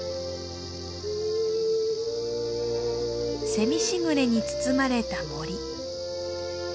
せみ時雨に包まれた森。